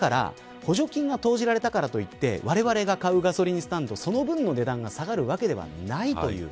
補助金が投じられたからといってわれわれが買うガソリンスタンドの値段が下がるわけではない。